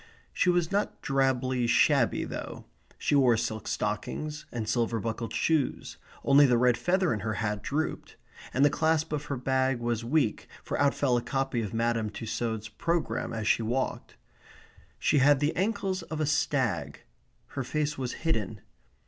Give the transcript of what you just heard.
She was not drably shabby, though. She wore silk stockings, and silver buckled shoes, only the red feather in her hat drooped, and the clasp of her bag was weak, for out fell a copy of Madame Tussaud's programme as she walked. She had the ankles of a stag. Her face was hidden.